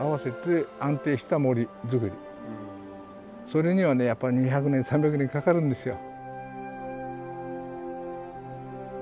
それにはねやっぱり２００年３００年かかるんですよ。